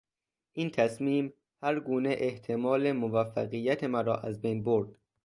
این تصمیم هرگونه احتمال موفقیت مرا ازبین برد.